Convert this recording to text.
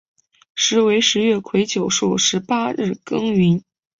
时为十月癸酉朔十八日庚寅。